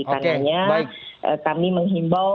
oke baik karena kami menghimbau